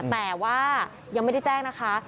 แต่ว่ายังไม่ได้แจ้งนะคะ